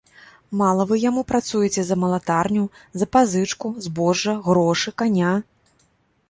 Мала вы яму працуеце за малатарню, за пазычку збожжа, грошы, каня?